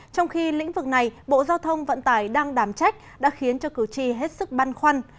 trong khi lĩnh vực này bộ giao thông vận tải đang đảm trách đã khiến cho cử tri hết sức băn khoăn